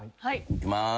いきます。